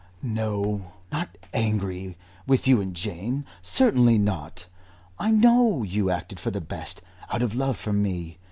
"No not angry with you and Jane certainly not. I know you acted for the best, out of love for me.